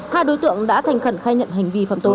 hai đối tượng đã thành khẩn khai nhận hành vi phạm tội